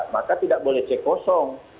maka tidak boleh cek kosong